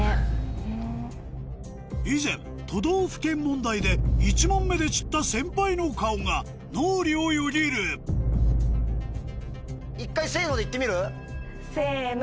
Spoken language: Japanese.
以前都道府県問題で１問目で散った先輩の顔が脳裏をよぎる一回せの！で言ってみる？せの！